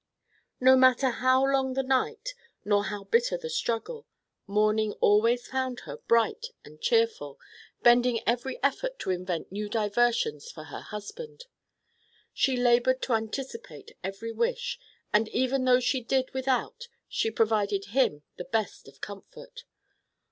No matter how long the night, nor how bitter the struggle, morning always found her bright and cheerful, bending every effort to invent new diversions for her husband. She labored to anticipate every wish, and even though she did without, she provided him the best of comfort.